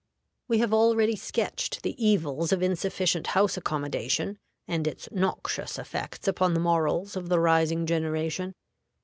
We have already sketched the evils of insufficient house accommodation and its noxious effects upon the morals of the rising generation.